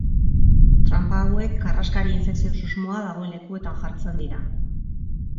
Tranpa hauek karraskari-infekzio susmoa dagoen lekuetan jartzen dira.